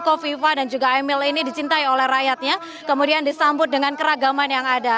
kofifa dan juga emil ini dicintai oleh rakyatnya kemudian disambut dengan keragaman yang ada